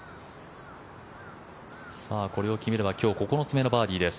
これを決めれば今日９つ目のバーディーです。